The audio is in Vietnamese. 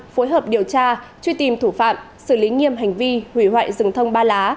phối hợp điều tra truy tìm thủ phạm xử lý nghiêm hành vi hủy hoại rừng thông ba lá